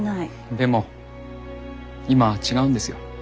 でも今は違うんですよ。